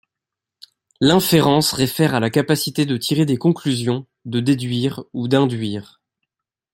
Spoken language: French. L'inférence réfère à la capacité de tirer des conclusions, de déduire ou d'induire.